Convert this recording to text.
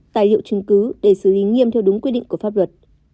tài liệu chứng cứ để xử lý nghiêm theo đúng quy định của pháp luật